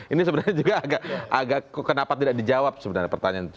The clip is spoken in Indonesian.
ini sebenarnya juga agak kenapa tidak dijawab sebenarnya pertanyaan